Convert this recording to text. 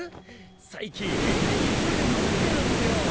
最近エラい勢いで伸びてるんスよ。